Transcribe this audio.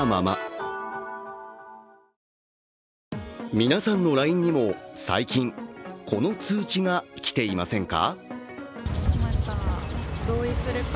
皆さんのＬＩＮＥにも、最近、この通知が来ていませんか？